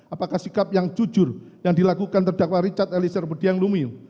apakah sikap yang jujur yang dilakukan terdakwa richard eliezer budiang lumiu